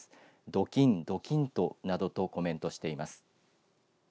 どきんどきんとなどとコメントしています。